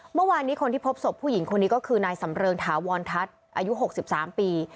เมื่อวานนี้คนที่พบศพผู้หญิงคนนี้ก็คือนายสำเริงถาวรทัศน์อายุ๖๓ปี